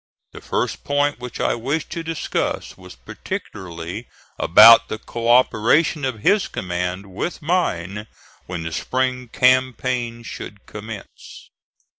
The first point which I wished to discuss was particularly about the co operation of his command with mine when the spring campaign should commence.